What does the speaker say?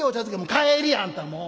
「帰り！あんたもう。